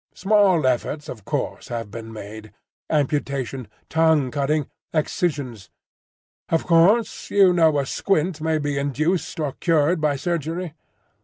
Small efforts, of course, have been made,—amputation, tongue cutting, excisions. Of course you know a squint may be induced or cured by surgery?